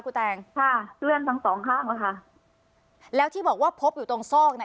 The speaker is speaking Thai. แตงค่ะเลื่อนทั้งสองข้างอ่ะค่ะแล้วที่บอกว่าพบอยู่ตรงซอกน่ะ